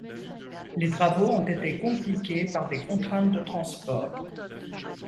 Les travaux ont été compliqués par des contraintes de transport.